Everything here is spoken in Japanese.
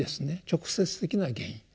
直接的な原因。